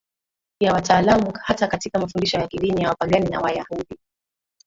ya wataalamu hata katika mafundisho ya kidini ya Wapagani na Wayahudi